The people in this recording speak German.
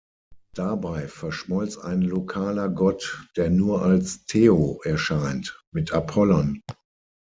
Dabei verschmolz ein lokaler Gott, der nur als „teo“ erscheint, mit Apollon.